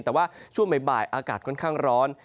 แต่ว่าช่วงบ่ายอากาศค่อนข้างร้อน